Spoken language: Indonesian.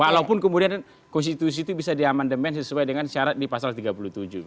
walaupun kemudian konstitusi itu bisa diamandemen sesuai dengan syarat di pasal tiga puluh tujuh